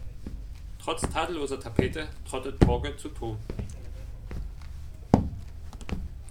Trotz tadelloser Tapete trottet Torge zu Toom.